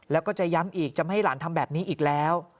แล้วก็จะย้ำอีกจะไม่ให้หลานทำแบบนี้อีกแล้ว